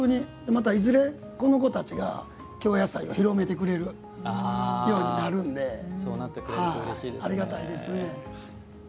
またいずれこの子たちが、京野菜を広めてくれるようになるのでありがたいですね。